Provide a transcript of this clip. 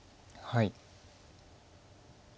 はい。